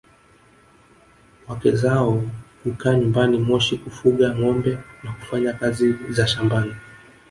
Wake zao hukaa nyumbani Moshi kufuga ngombe na kufanya kazi za shambani